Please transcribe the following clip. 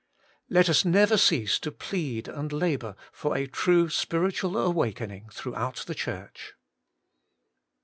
3. Let us never cease to plead and labour for a true spiritual awakening throughout the Church.